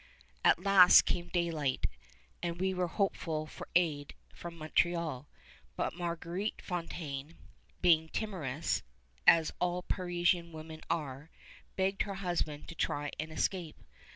At last came daylight; and we were hopeful for aid from Montreal; but Marguerite Fontaine, being timorous as all Parisian women are, begged her husband to try and escape.